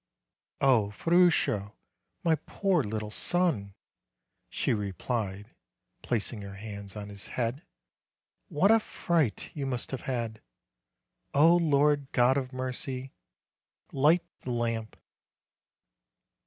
"O Ferruccio! my poor little son!" she replied, plac ing her hands on his head; "what a fright you must have had! O Lord God of mercy! Light the lamp.